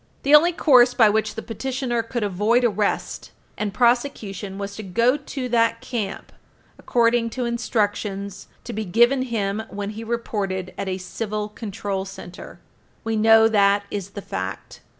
The only course by which the petitioner could avoid arrest and prosecution was to go to that camp according to instructions to be given him when he reported at a Civil Control Center. We know that is the fact.